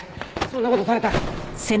そんな事されたら。